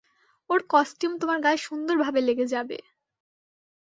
ওর costume তোমার গায়ে সুন্দরভাবে লেগে যাবে।